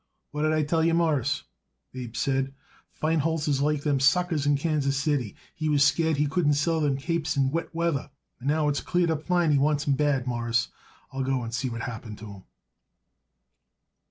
"What did I tell you, Mawruss?" Abe said. "Feinholz is like them suckers in Kansas City. He was scared he couldn't sell them capes in wet weather, and now it's cleared up fine he wants 'em bad, Mawruss. I'll go and see what happened to 'em."